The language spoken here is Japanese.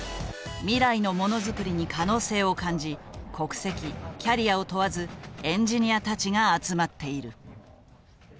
未来のものづくりに可能性を感じ国籍キャリアを問わずエンジニアたちが集まっている。